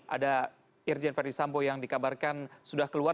ada irjen ferdisambo yang dikabarkan sudah keluar